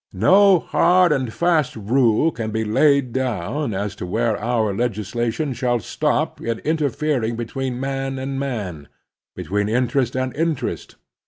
No hard and fast rule can be laid down as to where our legislation shall stop in interfering between man and man, between interest and in terest.